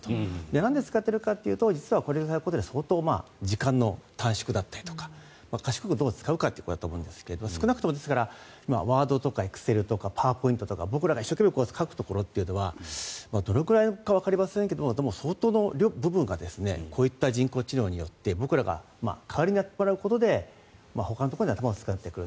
なんで使っているかというと実はこれが相当時間の短縮だったりとか賢くどう使うかということだと思うんですが少なくともワードとかエクセルとかパワーポイントとか僕らが一生懸命書くところっていうのはどのくらいかわかりませんがでも相当の部分がこういった人工知能によって僕らが代わりにやってもらうことによってほかのところで頭を使うと。